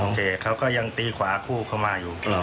เคเขาก็ยังตีขวาคู่เข้ามาอยู่